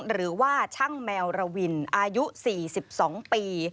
หรือว่าช่างแมวระวินอายุ๔๒ปี